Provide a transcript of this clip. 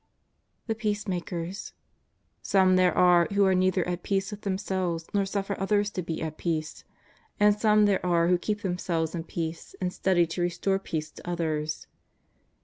The 'peacemakers. " Some there are who are neither at peace with themselves nor suffer others to be at peace. And some there are who keep themselves in peace and study to restore peace to others."